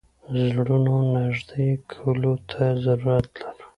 زړونو نېږدې کولو ته ضرورت لرو.